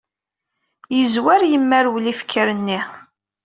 Yezwar yimerwel ifker-nni.